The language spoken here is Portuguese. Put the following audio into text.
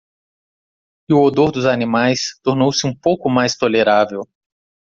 E o odor dos animais tornou-se um pouco mais tolerável.